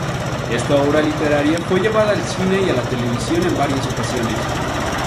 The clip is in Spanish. Esta obra literaria fue llevada al cine y a la televisión en varias ocasiones.